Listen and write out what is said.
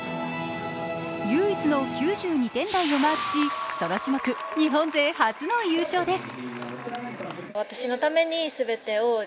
唯一の９２点台をマークし、ソロ種目、日本勢初の優勝です。